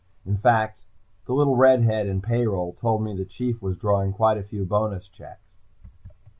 In fact, the little redhead in payroll told me the Chief was drawing quite a few bonus checks.